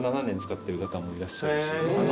７年使ってる方もいらっしゃる。